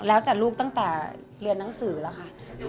แล้วแต่ลูกตั้งแต่เรียนหนังสือแล้วค่ะ